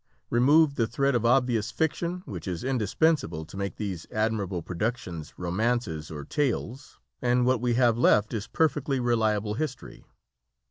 Remove the thread of obvious fiction which is indispensable to make these admirable productions romances or tales, and what we have left is perfectly reliable history.